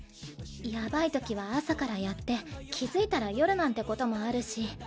ヤバいときは朝からやって気付いたら夜なんてこともあるし。